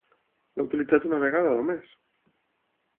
L'ha utilitzat una vegada només?